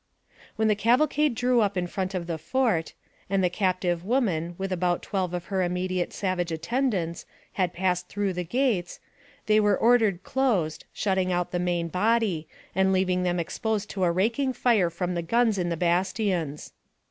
When the cavalcade drew up in front of the fort, and the captive woman, with about twelve of her im mediate savage attendants, had passed through the gates, they were ordered closed, shutting out the main body, and leaving them exposed to a raking fire from the guns in the bastions.